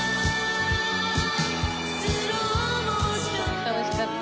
楽しかった。